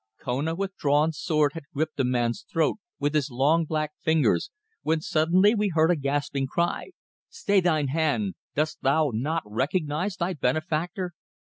Kona with drawn sword had gripped the man's throat with his long black fingers, when suddenly we heard a gasping cry: "Stay thine hand! Dost thou not recognize thy benefactor?"